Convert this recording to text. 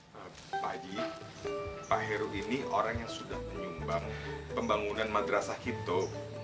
pak haji pak heru ini orang yang sudah menyumbang pembangunan madrasah itu